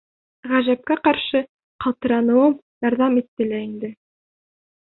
Ғәжәпкә ҡаршы, ҡалтыра-ныуым ярҙам итте лә инде.